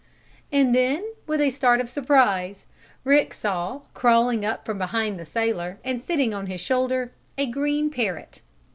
And then, with a start of surprise, Rick saw, crawling up from behind the sailor, and sitting on his shoulder a green parrot.